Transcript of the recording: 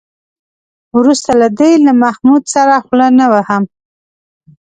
وروسته له دې له محمود سره خوله نه وهم.